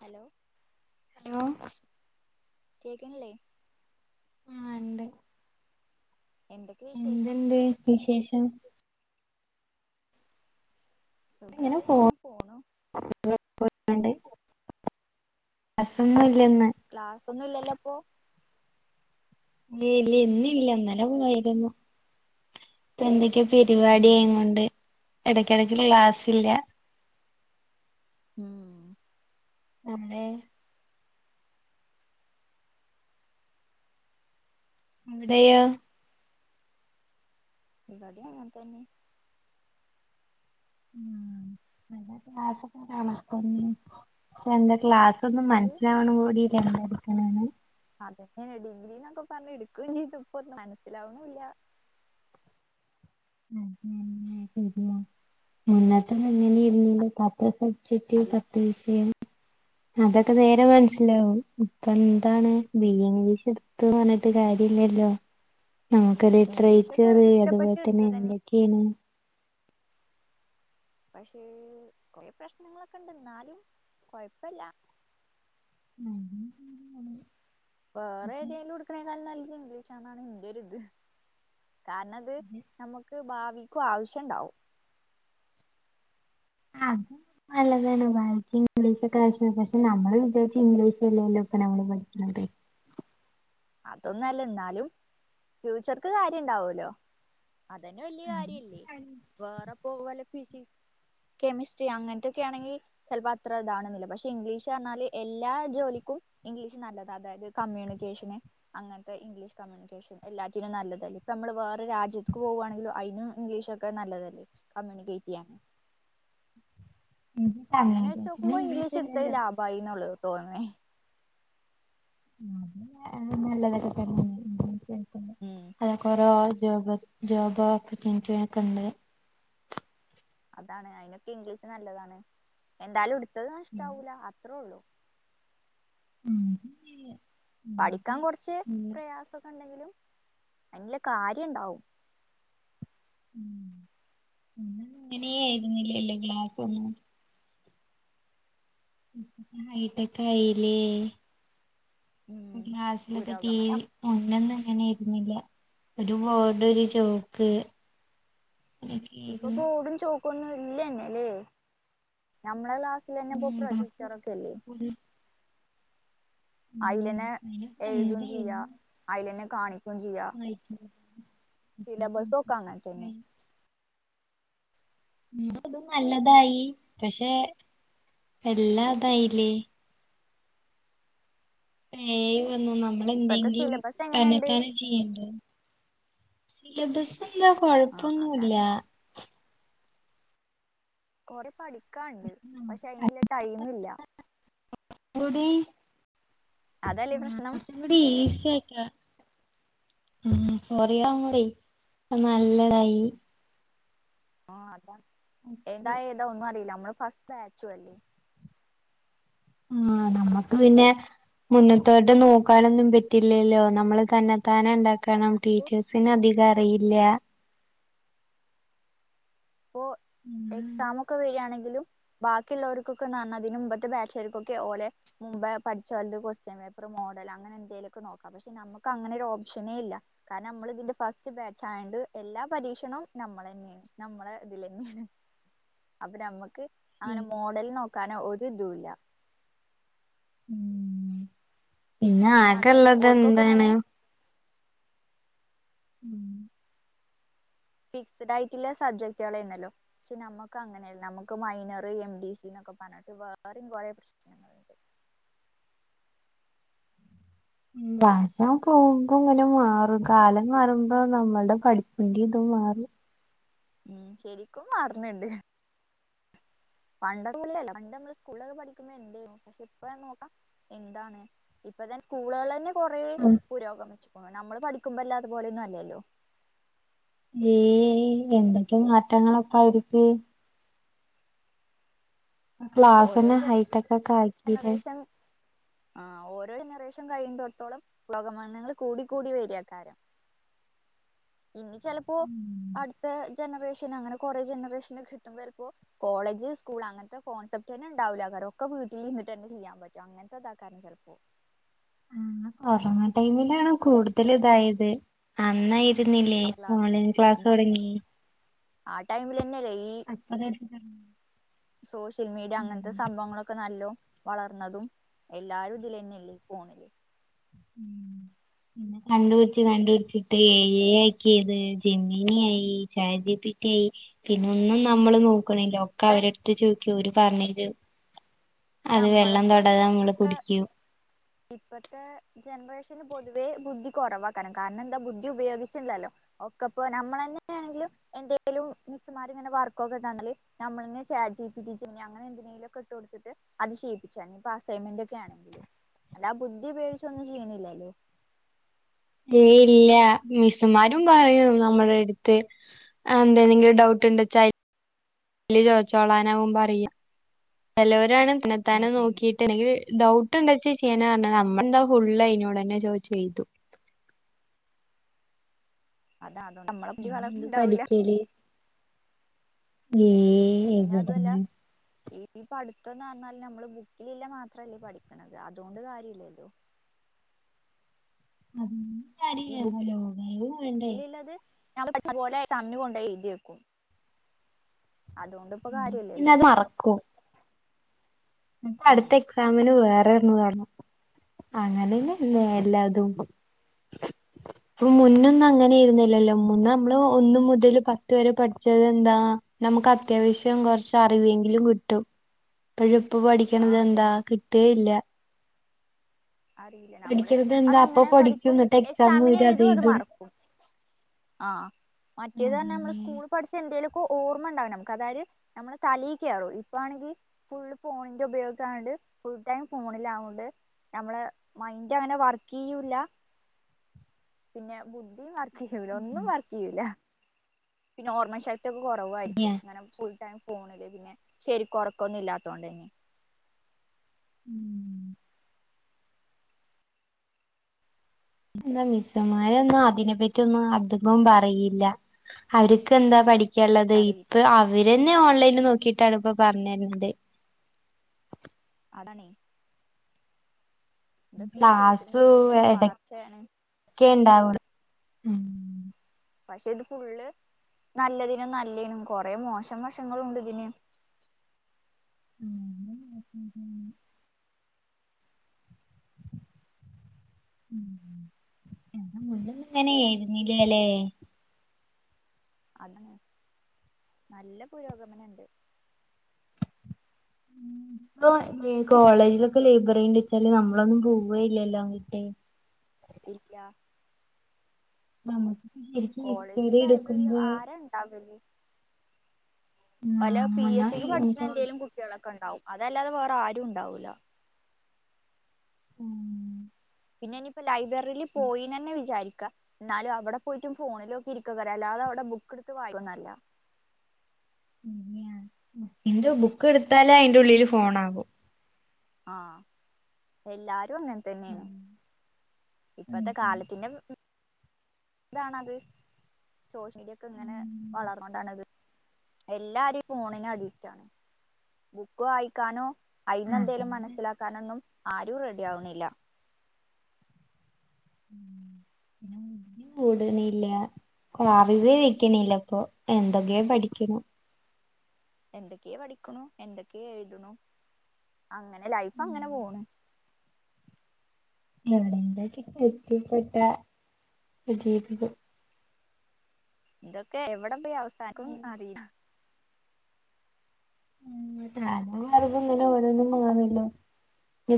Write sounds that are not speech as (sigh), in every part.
Hello hello കേൾക്കണില്ലേ ആ ഉണ്ട് എന്തൊക്കെ വിശേഷം എന്ത്‌ണ്ട് വിശേഷം സുഖായി അങ്ങനെ പോണു അ (unintelligible) ക്ലാസ് ഒന്നും ഇല്ലല്ലോ ഇപ്പൊ ഏയ്ല്ല ഇന്നില്ല ഇന്നലെ പോയിരുന്നു ഇപ്പ എന്തൊക്കയോ പരിപാടി ഉം ആയതുകൊണ്ട് ഇടക്കിടക്ക് ക്ലാസ് ഇല്ല ഉം നമ്മെ അവിടെയോ ഇവടേം അങ്ങനെ തന്നെ (unintelligible) ഒന്നും എന്ത് മനസ്സിലാവണപോലും ഇല്ല എന്താ എടുക്കാണെന്ന് അതെന്നെ ഡിഗ്രീ എന്നൊക്കെ പറഞ്ഞു എടുക്കുകയും ചെയ്തു ഇപ്പോ ഒന്ന് മനസ്സിലാവണൂല്ല (unintelligible) അതൊക്കെ നേരെ മനസിലാവും ഇപ്പൊ എന്താണ് ബി എ ഇംഗ്ലീഷ് എടുത്ത് പറഞ്ഞിട്ട് കാര്യല്ലല്ലോ ഞ ഇംഗ്ലീഷൊക്കെ ലിട്രേച്ചറ് ഇഷ്ടപ്പെട്ട് അതുപോലെ തന്നെ എടുത്തതന്നെ എന്തൊക്കെയാണ് പക്ഷേ കുറേ പ്രശ്നങ്ങളൊക്കെണ്ട് എന്നാലും കൊഴപ്പല്ല മ്മ് വേറെ ഏതെലും എടുക്കണേക്കാളും നല്ലത് ഇംഗ്ലീഷാന്നാ ഇന്റെ ഒരു ഇത് കാരണം അത് നമുക്ക് ഭാവിക്കും ആവശ്യണ്ടാവും അത് നല്ലതാണ് ഭാ പക്ഷെ നമ്മള് വിജാരിച്ച് ഇംഗ്ലീഷ്ല്ലോ ഇപ്പ നമ്മള് പഠിക്കനത്. അതൊന്നല്ല എന്നാലും ഫ്യൂച്ചർക്ക് കാര്യം ഉണ്ടാവുല്ലോ? അതന്നെ വലിയ കാര്യല്ലേ വേറെ പോ വല കെമിസ്ട്രി അങ്ങനത്തെൊക്കെ ആണെങ്കി ചിലപ്പോ അത്ര ഇതാണെന്നില്ല പക്ഷെ ഇംഗ്ലീഷ് റഞ്ഞാല് എല്ലാ ജോലിക്കും ഇംഗ്ലീഷ് നല്ലത് അതായത് കമ്മ്യൂണിക്കേഷന് അങ്ങനത്തെ ഇംഗ്ലീഷ് കമ്മ്യൂണിക്കേഷൻ എല്ലാറ്റനും നല്ലതല്ലേ ഇപ്പ നമ്മള് വേറെ രാജ്യത്ത് പോകുകവാണെങ്കിലും അതിനും ഇംഗ്ലീഷൊക്കെ നല്ലതല്ലേ? കമ്യുനിക്കേറ്റ് ചെയ്യാൻ. അങ്ങനെ വെച്ച് കമ്മ്യൂണിക്കേഷന് നോക്കുമ്പോ ഇംഗ്ലീഷ് എടുത്തത് ഇംഗ്ലീഷല്ലല്ലോ ലാഭമായി എന്നുള്ളു തോന്നേ ആതെ നല്ലതൊക്കെ കേ ഉം അതൊക്കറ ജോബ് ജോബൊക്കണ്ട്. അതാണ് അയിനൊക്കെ ഇംഗ്ലീഷ് നല്ലതാണ് എന്തായാലും ഉടുത്തത് നഷ്ടവൂല അത്രേ ഉള്ളു. ഉം പഠിക്കാൻ ഇന്നത്തെ കുറച്ച് ഇന്ന് പ്രയാസൊക്കെ ഉണ്ടെങ്കിലും അയ്നിലെകാര്യം ഉണ്ടാവും. അങ്ങനെയായിരുന്നില്ലല്ലോ ലാർക്ക ഒന്നും ഇ ഹൈട്ടക്ക ആയില്ലേ ഉം ക്ലാസിലൊക്കെ ടി പുരോഗമനം വി അനൊന്നും ങ്ങനെ രുന്നില്ല ഒരുബോർഡ് ട് ഒരു ചോക്ക് ഇപ്പൊ ബോടും ചോക്കൊന്നും ഇല്ലന്നെല്ലേ നഞമ്മളെ ക്ലാസ് ഇതിലന്നപ്പോ ഉം ബാക്കി പ്രൊജെക്ടറകല്ലേ ഒരു ഉം അയിലന്നെ അതിനൊക്കെ ഏയ്തും ചെയ്യാ എന്തായിരുന്നു അയിലന്നെ കാണിക്ക കുഞ്ചയ്യാ സിലബസൊക്കെ അങ്ങതന്നെ. നതും നല്ലതായി പക്ഷെ എല്ലാ ഇതായില്ലേ? പേ വന്നു നമ്മള ഇപ്പത്തെ എന്തെങ്കിലും സിലബസ് തന്നെ എങ്ങനെണ്ട് തന്നെ ചെയ്യണ്ടേ സിലബസ് എല്ലാ ആ കൊഴപ്പൊന്നുല്ല. അതാണ് കൊറെ പഠിക്കാണ്ട് പക്ഷെ അയിനല്ല ടൈം ഇല്ല. ഉ ടി അതല്ലേ പ്രശ്നം ഒന്നുടി ഇസി ആക്ക ഉ കൊറിയ ആ ഉബെ നല്ലതായി. ആ അതാ എന്തായ ഏതാ ഒന്നും അറിയില്ല നമ്മൾ ഫസ്റ്റ് ബാച്ചു ല്ലെ ആന് നമ്മുക്ക് പിന്നെ. മുന്നത്തോട്ട് നോക്കാനൊന്നും പറ്റില്ലല്ലോ നമ്മള് തന്നെ താനെ ഉണ്ടാക്ക ണം അതാണിപ്പോ ടീച്ചേഴസിന് അധികം അറിയില്ല. അപ്പോൊ എക്സമ ഒക്കെ വരിയാണെങ്കിലും ബാക്കിയുള്ളവർക്കൊക്കെ നന്നതിനന് മുമ്പത്തെ ബാച്ചകർക്കൊക്കെ ഓലെ മുമ്പ് പഠിച്ചലത് ക്വസ്റ്റ്യൻ പേപ്പർ മോഡൽ അങ്ങനെന്തേലൊക്കെ നോക്കാം പക്ഷെ നമുക്ക് അങ്ങനെ ഒരു ഓപ്ഷനേ ഇല്ല കാരണം നമ്മൾ ഇതിന്റെ ഫസ്റ്റ് ബാച്ച് ആയണ്ട് എല്ലാ പരീക്ഷണും നമ്മള തന്നെയാണ് നമ്മളെ ഇതിലന്നെയ അപ്പൊ നമ്മുക്ക് അങ്ങനെ മോഡൽ നോക്കാന ഒ ഇതല്ല. ഉ പിന്നെ ആക്കെ അതുമല്ല ഉള്ളത് ഓൽക്കൊക്കെ എന്താണ് ഇങ്ങനെ ഉം ഫിക്സ്ഡ് ആയിട്ടുള്ള സബ്ജക്ടുകളന്നല്ലോ? പക്ഷെ നമ്മക്ക് അങ്ങനെയല്ല നമുക്ക് മൈനർ എം ഡി സി എന്നൊക്കെ പറഞ്ഞിട്ട് വേറെും കുറെേ പ്രശ്നങ്ങളുണ്ട്. വഷ പോകുമ്പോ ഇങ്ങനെ മാറും കാലം മാറുമ്പോ നമ്മളുടെ പഠിപ്പിന്റെറെ ഇതും മാറും. ഉം ശരിക്കും മാറിന്ന്ണ്ട് പണ്ട കലല്ല പണ്ട് നമ്മള് സ്കൂളക്കെ പഠിക്കുമ്പോ എന്തനു പക്ഷെ ഇപ്പ നോക്കാം എന്താണ്. ഇപ്പം തന്നെ സ്കൂളുകള് തന്നെ കൊറേ ഉം പുരോഗമിച്ചു ഇപ്പം നമ്മള് പഠിക്കുമ്പല്ല അതുപോലെയൊന്നും അല്ലല്ലോ ഏയ് എന്തൊക്കെ മാറ്റങ്ങളൊക്കായിക്ക് ക്ലാസ്സ് ഓരോ തന്നെ ഹൈടെക്ക് ഒക്കെ ആയി ജനറേഷൻ ആഹ് ഓരോ ജനറേഷൻ കഴിയുന്നിടത്തോളം (unintelligible) കൂടി കൂടി വരിയാക്കാരം ഇനി ചിലപ്പോ അടുത്ത ജനറേഷൻ അങ്ങനെ കൊറേ ജനറേഷൻനെ കിട്ടുമ്പോ ചിലപ്പോ കോളേജ് സ്കൂൾ അങ്ങനത്തെ കോൺസെപ്റ്റ്ന്നെ ഉണ്ടാവില്ല അവരൊക്കെ വീട്ട വിട്ട്ന്നെ ചെയ്യാൻ പറ്റോ അങ്ങനത്തെ ഇതാക്കാരണം ചിലപ്പോ. ആ കൊറോണ ടൈമിലാണ് കൂടുതല് ഇതായത് അന്ന് പഠിക്കുന്നില്ലേ ഓൺലൈൻ ക്ലാസ് തുടങ്ങി ആ ടൈമിൽ തന്നെയല്ലേ ഈ അപ്പ സോഷ്യൽ മീഡിയ അങ്ങനത്തെ സംഭവങ്ങളൊക്കെ നല്ലോ വളർന്നതും എല്ലാരും ഇതില് തന്നെയല്ലേ ഈ ഫോണില് (inaudible) പിന്നെ കണ്ടുപിടിച്ച് കണ്ടുപിടിച്ചിട്ടേ ഏ ഐ ആക്കിയത് ജെമിനി ആയി ചാറ്റ് ജി പി റ്റി ആയി പിന്ന ഒന്നും നമ്മള് നോക്കണില്ല ഒക്കെ ഇപ്പ അവരെടുത്ത് ചോദിക്കാ ഓര് പറഞ്ഞരും അത് വെള്ളം നമ്മളൊക്കെ തൊടാതെ നമ്മള് കുടിക്കും ഇപ്പോഴത്തെ ജനറേഷന് പൊതുവേ ബുദ്ധി കുറവാക്കാന് കാരണം എന്താ ബുദ്ധി ഉപയോഗിച്ചിണ്ടല്ലോ ഒക്കെപ്പൊ നമ്മള് തന്നെ എന്തെങ്കിലും എന്തേലും മിസ്സ്‌മാര് ഇങ്ങനെ വർക്കൊക്കെ തന്നാല് നമ്മളിങ്ങനെ chat G P T Gemini പിന്നെ അതിലൊക്കെ ഇട്ട് കൊടുത്തിട്ട് അത് ചെയ്യിപ്പിച്ചാണ് ഇപ്പം അസൈൻമെന്റ് ഒക്കെ ആണെങ്കിലും അല്ലാതെ ബുദ്ധി ഉപയോഗിച്ചൊന്നും ചെയ്യണില്ലല്ലോ ഏയ് ഇല്ല മിസ്സുമാരും പറയും നമ്മുടെ അടുത്ത് എന്തേനെങ്കിലും ഡൗട്ട് ഉണ്ട് വച്ചാല് ചാറ്റ് ജി പീ റ്റി ചോദിച്ചോളാനാകും പറയുക ചെലവരാണെ ഉം തന്നത്താനെ നോക്കി എന്തെങ്കിൽ ഡൗട്ട് എന്താ വച്ചാ ചെയ്യാനാ പറഞ്ഞെ നമ്മളന്താ ഫുള്ള് അയിനോട് തന്നെ ചോദിച്ച് ചെയ്യും അതാ അതോണ്ട് നമ്മളെ ബുദ്ധി വളർന്നിട്ട് ഉണ്ടാവൂല്ല ശരി ഏഹ് പിന്നെ അതുമല്ല ഈ ഈ പഠിത്തംന്ന് പറഞ്ഞാല് നമ്മള് ബുക്കിലില്ല മാത്രമല്ലേ പഠിക്കുന്നത് അതുകൊണ്ട് കാര്യമില്ലല്ലോ ഈ (unintelligible) വേണ്ടേ ഞാൻ പെട്ട പോലെ കമ്മി കൊണ്ടോയെഴുതി വെക്കും അതുകൊണ്ട് ഇപ്പൊ പിന്നെ കാര്യല്ലല്ലോ അത് അറക്കും ഉം അടുത്ത എക്സാമിന് വേറെ ഒന്ന് കാണണം അങ്ങനെ തന്നെയല്ലേ എല്ലാതും (inaudible) ഇപ്പം മുന്നൊന്നും അങ്ങനെ ആയിരുന്നില്ലല്ലോ മുന്ന് നമ്മൾ ഒന്ന് മുതൽ പത്ത് വരെ പഠിച്ചത് എന്താ നമ്മുക്ക് അത്യാവശ്യം കൊറച്ച് അറിവെങ്കിലും കിട്ടും ഇപ്പോഴും ഇപ്പം ആ പഠിക്കണത് എന്താ അതന്നെ കിട്ടുകയില്ല അറിയില്ല നമ്മൾ പഠിക്കണത് എന്താ അപ്പൊ അതങ്ങനെ പഠിക്കും എന്നിട്ട് എക്സാം എക്സാമിന് വരും എഴുതും അത് മറക്കും ആഹ് മറ്റേത് പറഞ്ഞാ നമ്മൾ അതന്നെ സ്കൂളി പഠിച്ച എന്തേലുമൊക്കെ ഓർമ്മ ഉണ്ടാവും നമ്മുക്ക് അതായത് നമ്മൾ തലയിക്കേറും ഇപ്പം ആണെങ്കി ഫുള്ള് ഫോണിന്റെ ഉപയോഗാവണ്ട് ഫുൾടൈം ഫോണിലാവണ്ട് നമ്മളെ മൈൻഡ് അങ്ങനെ വർക്ക് ചെയ്യൂല്ല പിന്നെ ബുദ്ധി വർക്ക് ചെയ്യൂല ഒന്നും വർക്ക് ചെയ്യൂല പിന്നെ ഓർമ്മ ശക്തി ക്കെ കുറവായിരിക്കും ഇങ്ങനെ ഫുൾ ടൈം ഫോണില് പിന്നെ ശരിക്ക് ഉറക്കമൊന്നും ഇല്ലാത്തത് കൊണ്ട് തന്നെ (inaudible) എന്താ മിസ്സ്‌മാര് ഒന്നും അതിനെ പറ്റി ഒന്നും അധികം പറയില്ല അവർക്ക് എന്താ പഠിക്കാനുള്ളത് പറയില്ല ഇപ്പം അവരന്നെ ഓൺലൈനിൽ നോക്കീട്ടാണ് ഇപ്പം പറഞ്ഞു തരുന്നത് അതാണേ ഇന്തൊക്കെ ഈ സോഷ്യൽ ക്ലാസ് മീഡിയന്റെ വളർച്ചയാണ് ക്കെ ഇണ്ടാവുന്നത് പക്ഷെ ഇത് ഫുള്ള് നല്ലതിനും നല്ലതിനും കൊറെ മോശം വശങ്ങളുണ്ട് ഇതിന് മ് മുന്നേ അങ്ങനൊയിരുന്നില്ല അല്ലേ അതെ നല്ല പുരോഗമനണ്ട് ഇപ്പൊ കോളേജിലൊക്കെ ലൈബറിണ്ട് വെച്ചാല് നമ്മളൊന്നും പോവയില്ല എല്ലാം കിട്ട് ഇല്ല നമ്മുക്ക് ശരിക്കും ഇച്ചടി എടുക്കുമ്പോ എണ്ടാവുലടി പല പി എസ് മുന്നോ സിക്ക് പഠിച്ചി എന്തെങ്കിലും കുട്ടികളൊക്കെ ഉണ്ടാവും അതല്ലാതെ വേറെ ആരും ഉണ്ടാവൂല്ല ഉം പിന്നെ ഇനിയിപ്പം ലൈബ്രറിൽ പോയിന്ന് തന്നെ വിചാരിക്കാം എന്നാലും അവിടെ പോയിട്ടും ഫോണിലക്ക ഇരിക്കെകാരം അല്ലാതെ അവിടെ ബുക്ക് എടുത്ത് വായിക്കെന്നല്ല രി എന്റെ ബുക്ക് എടുത്താലെ അയിന്റെ ഉള്ളില് ഫോണാകും ആഹ് എല്ലാരും അങ്ങനെ തന്നെയാണ് ഇപ്പഴത്തെ അതെ കാലത്തിന്റെ ഇതാണത് സോഷ്യ മീഡിയ ഒക്കെ ഇങ്ങനെ ഉം വളർന്ന കൊണ്ടാണത് എല്ലാരും ഫോണിനെ അഡിക്റ്റാണ് ബുക്ക് വായിക്കാനോ അയിന്ന എന്തേങ്കലും അതന്നെ മനസ്സിലാക്കാനൊന്നും ആരും റെഡി ആവുന്നില്ല (unintelligible) കൂടണില്ല കറിവേവക്കണില്ല ഇപ്പൊ എന്തൊക്കെയാ പഠിക്കണം എന്തൊക്കെയെ പഠിക്കണു എന്തൊക്കെയ എഴുതുണു അങ്ങനെ ലൈഫ് അങ്ങനെ പോണ് ഞവിടെന്തക്ക എത്തിപ്പെട്ട ജീവിതം ഇതക്കെ എവിടം പോയി അവസാനിക്കും അറിയില്ല വറതന്നല്ല ഓരോന്നും മാറല്ലോ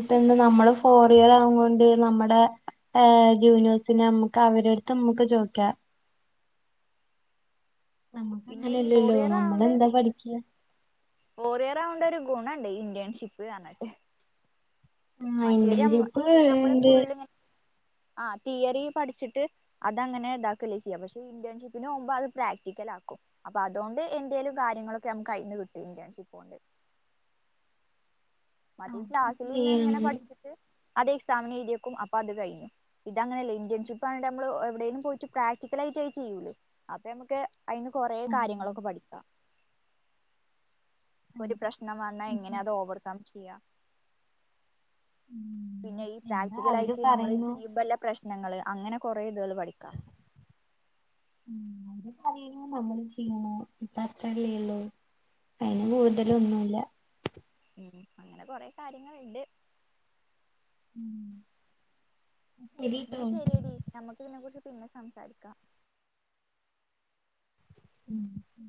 ട്ടണ്ട് നമ്മള് ഫോറിയർ ആവുന്നത് കൊണ്ട് നമ്മുടെ ഹ് ജൂനോസിനെ നമ്മുക്ക് അവരടുത്ത് നമ്മുക്ക് ചോദിക്കാം നമ്മക്ക് പിന്നെ ഈ ഫോർ അങ്ങനെല്ലല്ലോ ഇയർ നമ്മളെന്താ പഠിക്യ ഓറിയറിയോണ്ട ഒരു ഗുണുണ്ട് ഇന്ത്യൺഷിപ്പ് അങ്ങനത്തെ ആഹ് മറ്റേത് ഇന്റേൺഷിപ്പ് നമ്മൾ ഉണ്ട് ഫുളള് ആ തിയറി പഠിച്ചിട്ട് അതങ്ങനെ ഇതാക്കല്ലേ ചെയ്യാം പക്ഷെ ഇന്റേൺഷിപ്പിന് മുമ്പ് അത് പ്രാക്ടിക്കൽ ആക്കും അപ്പൊ അതുകൊണ്ട് എന്തയലും കാര്യങ്ങളൊക്കെ നമ്മുക്ക് അയിന്ന് കിട്ടും ഇന്ത്യൻഷിപ്പ് കൊണ്ട് മതി ക്ലാസ്സിൽ ഇന്ന് ഇങ്ങനെ പഠിച്ചിട്ട് അത് എക്സാമി എഴുതിയേക്കും അപ്പൊ അത് കഴിഞ്ഞു ഇത് അങ്ങനെയല്ല ഇറേൺഷിപ്പ് ആണെ നമ്മ എവിടെേലും പോയിട്ട പ്രക്ടിക്കല ആട്ട് ആയി ചെയ്യൂേ അത് മ്മക്ക് അയിന് കൊറ കാര്യങ്ങളൊക്കെ പഠിക്കാം ഒരു പ്രശ്നം വന്നാ ഇങ്ങനെ അത് ഓവർകം ല്ല പിന്നെ ഈ എന്താ അവര് പ്രാക്ടിക്കലയിട്ട് നമ്മള് പറയുന്നു ചില്ലമ്പോ പ്രശ്നങ്ങള് അങ്ങനെ കുറേ ഇതുകൾ പഠിക്കാം ഉം അവരൂ പറയണ നമ്മള് ചെയ്യണോ ഇപ്പ അത്രല്ലേള്ളൂ അയിന് കൂടുതലന്നുമല്ല ഉം അങ്ങനെ കൊറെ കാര്യങ്ങളുണ്ട് ഉം എന്നെ ശരിയടി നമുക്ക് ഇതിനെ കുറിച്ച് പിന്നെ സംസാരിക്കാം ഉം ഉം